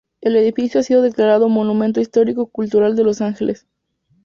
El edificio ha sido declarado Monumento Histórico-Cultural de Los Ángeles.